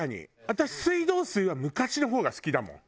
私水道水は昔の方が好きだもん。